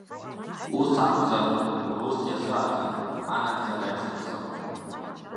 Ус акәзар, рус иазыҟаҵан, анагӡара иахыццакуан.